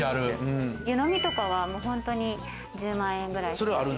湯のみとかは本当に１０万円くらい。